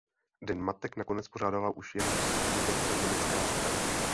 Den matek nakonec pořádala už je Sudetoněmecká strana.